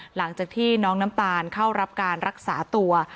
หลังจากที่น้องน้ำตาลเข้ารับการรักษาตัว